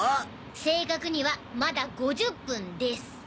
正確にはまだ５０分です！